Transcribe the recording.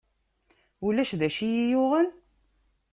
Ulac d acu iyi-yuɣen?